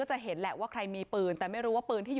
ตอนนี้กำลังจะโดดเนี่ยตอนนี้กำลังจะโดดเนี่ย